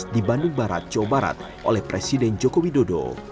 di bandung barat jawa barat oleh presiden joko widodo